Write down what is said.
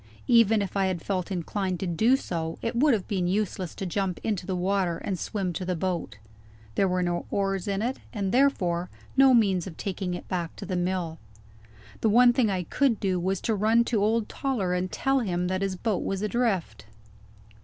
Even if I had felt inclined to do so, it would have been useless to jump into the water and swim to the boat. There were no oars in it, and therefore no means of taking it back to the mill. The one thing I could do was to run to old Toller and tell him that his boat was adrift.